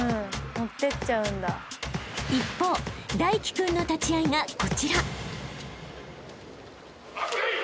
［一方泰輝君の立合いがこちら］